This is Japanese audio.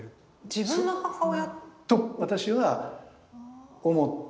自分の母親？と私は思って。